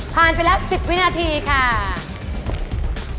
ผ่านไปแล้ว๑๐วินาทีค่ะ